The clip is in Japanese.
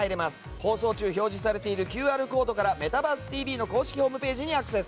放送中、表示されているＱＲコードから「メタバースＴＶ！！」の公式ホームページにアクセス。